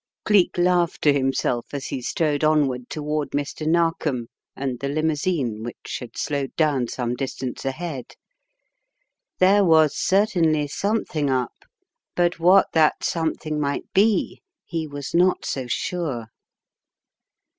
Cleek laughed to himself as he strode onward to ward Mr. Narkom and the limousine which had slowed down some distance ahead. There was cer tainly something up, but what that something might be he was not so sure.